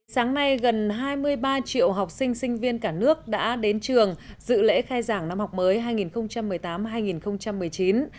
sáng nay gần hai mươi ba triệu học sinh sinh viên cả nước đã đến trường dự lễ khai giảng năm học mới hai nghìn một mươi tám hai nghìn một mươi chín